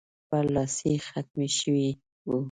برلاسی ختم شوی وو.